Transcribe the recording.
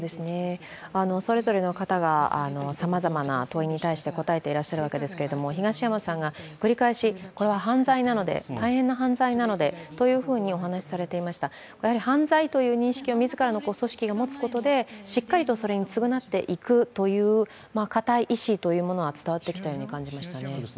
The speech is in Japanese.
それぞれの方がさまざまな問いに対して答えていらっしゃるわけですけど、東山さんが繰り返し、これは大変な犯罪なのでとお話しされていました、やはり犯罪という認識を自らの組織が持つことでしっかりとそれを償っていくというかたい意思は伝わってきましたね。